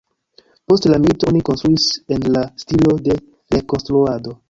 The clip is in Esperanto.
Post la milito oni konstruis en la stilo de rekonstruado.